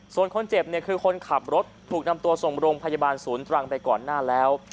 ส่วนคนเจ็บเนี่ยคือคนขับรถถูกนำตัวส่งโรงพยาบาลศูนย์ตรังไปก่อนหน้าแล้ว